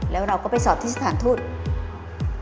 แล้วเราก็ไปสอบที่สถานทูต